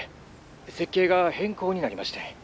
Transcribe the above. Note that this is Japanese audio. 設計が変更になりましてん。